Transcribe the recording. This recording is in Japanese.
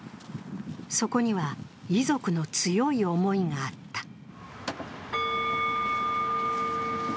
そこには遺族の強い思いがあった。